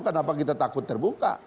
kenapa kita takut terbuka